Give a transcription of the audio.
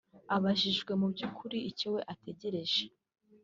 Abaijwe mu by’ukuri icyo we ategereje